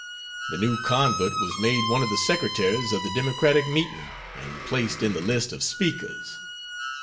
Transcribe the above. The new convert was made one of the secretaries of the democratic meeting, and placed in the list of speakers.